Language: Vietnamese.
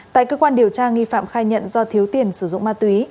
tại cơ quan điều tra nghi phạm khai nhận do thiếu tiền sử dụng ma túy